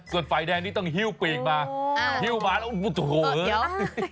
ส่วนฝ่ายแดงนี่ต้องฮิวปีกมาอ้าวฮิวมาแล้วโหเดี๋ยว